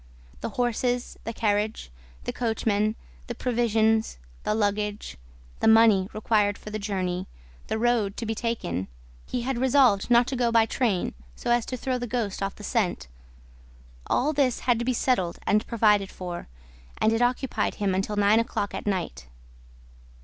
The horses, the carriage, the coachman, the provisions, the luggage, the money required for the journey, the road to be taken (he had resolved not to go by train, so as to throw the ghost off the scent): all this had to be settled and provided for; and it occupied him until nine o'clock at night.